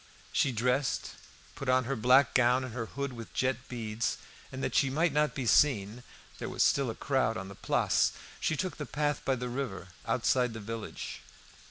She dressed, put on her black gown, and her hood with jet beads, and that she might not be seen (there was still a crowd on the Place), she took the path by the river, outside the village.